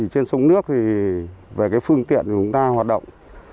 trên sông nước về phương tiện chúng ta hoạt động